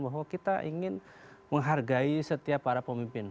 bahwa kita ingin menghargai setiap para pemimpin